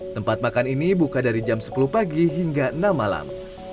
tempat makan ini buka dari jam sepuluh pagi hingga enam malam